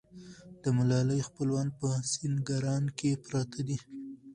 د ملالۍ خپلوان په سینګران کې پراته دي.